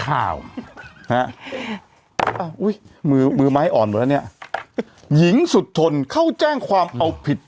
ข่าวฮะอุ้ยมือมือไม้อ่อนหมดแล้วเนี่ยหญิงสุดทนเข้าแจ้งความเอาผิด